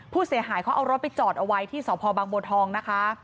ผู้เสียหายเขาเอารถไปจอดเอาไว้ที่สพบางบัวทองนะคะ